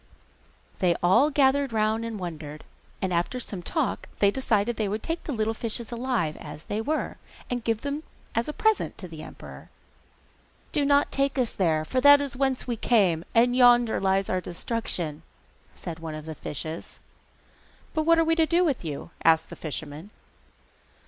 They all gathered round and wondered, and after some talk they decided that they would take the little fishes alive as they were, and give them as a present to the emperor. 'Do not take us there, for that is whence we came, and yonder lies our destruction,' said one of the fishes. 'But what are we to do with you?' asked the fisherman.